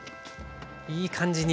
いい感じに。